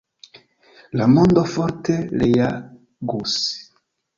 La mondo forte reagus.